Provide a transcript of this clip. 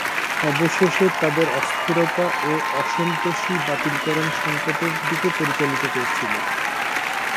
অবশেষে, তাদের অস্থিরতা ও অসন্তোষই বাতিলকরণ সংকটের দিকে পরিচালিত করেছিল।